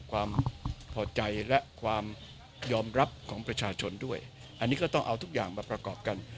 ความพอใจและความยอมรับของประชาชนด้วยอันนี้ก็ต้องเอาทุกอย่างมาประกอบกัน